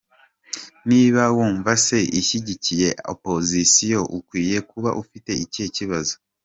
Niba wumva se ishyigikiye opposition ukwiye kuba ufite ikihe kibazo.